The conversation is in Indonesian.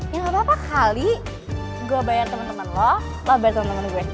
ya gapapa kali gue bayar temen temen lo lo bayar temen temen gue gimana